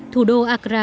thủ đô accra